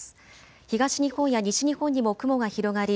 東日本や西日本にも雲が広がり